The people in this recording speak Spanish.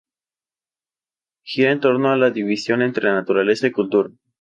Gira en torno a la división entre naturaleza y cultura.